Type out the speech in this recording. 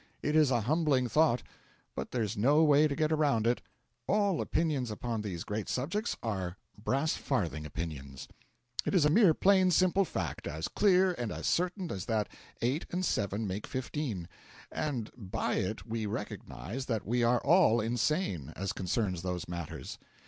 It is a humbling thought, but there is no way to get around it: all opinions upon these great subjects are brass farthing opinions. It is a mere plain simple fact as clear and as certain as that 8 and 7 make fifteen. And by it we recognise that we are all insane, as concerns those matters.